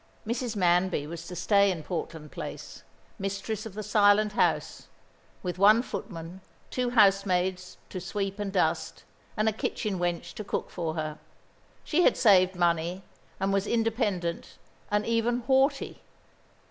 Mrs. Manby was to stay in Portland Place, mistress of the silent house, with one footman, two housemaids to sweep and dust, and a kitchen wench to cook for her. She had saved money, and was independent and even haughty.